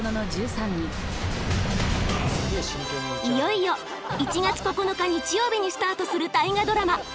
いよいよ１月９日日曜日にスタートする大河ドラマ